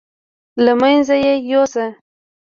له منځه یې یوسه.